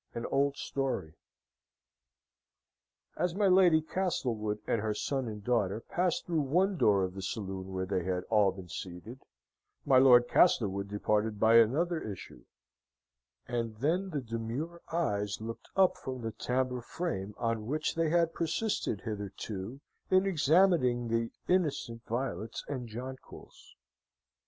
An Old Story As my Lady Castlewood and her son and daughter passed through one door of the saloon where they had all been seated, my Lord Castlewood departed by another issue; and then the demure eyes looked up from the tambour frame on which they had persisted hitherto in examining the innocent violets and jonquils.